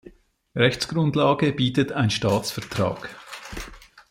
Rechtsgrundlage bildet ein Staatsvertrag.